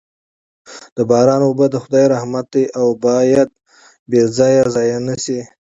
د باران اوبه د خدای رحمت دی او باید بې ځایه ضایع نه سي.